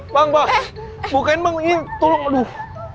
bang bukain bang ini tolong aduh